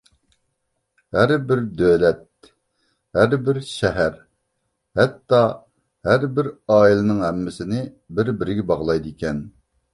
ھەربىر دۆلەت، ھەربىر شەھەر، ھەتتا ھەربىر ئائىلىنىڭ ھەممىسىنى بىر-بىرىگە باغلايدىكەن.